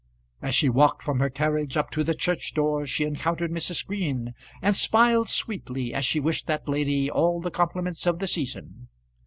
As she walked from her carriage up to the church door she encountered Mrs. Green, and smiled sweetly as she wished that lady all the compliments of the season.